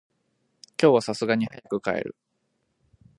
今日は流石に早く帰る。